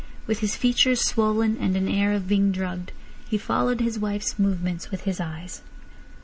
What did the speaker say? With his features swollen and an air of being drugged, he followed his wife's movements with his eyes.